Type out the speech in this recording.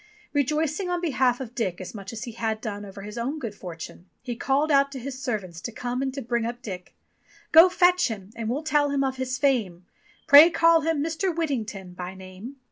Rejoicing on behalf of Dick as much as he had done over his own good fortune, he called out to his servants to come and to bring up Dick : "Go fetch him, and we'll tell him of his fame; Pray call him Mr. Whittington by name."